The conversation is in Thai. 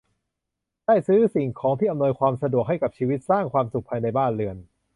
ได้ซื้อสิ่งของที่อำนวยความสะดวกให้กับชีวิต สร้างความสุขภายในบ้านเรือน